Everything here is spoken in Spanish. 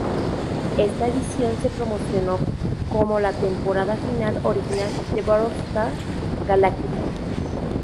Esta edición se promocionó como la "Temporada Final Original de 'Battlestar Galactica'".